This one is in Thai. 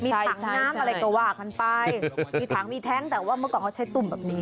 มีถังน้ำอะไรก็ว่ากันไปมีถังมีแท้งแต่ว่าเมื่อก่อนเขาใช้ตุ่มแบบนี้